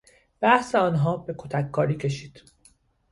بحث آنها به کتککاری کشید.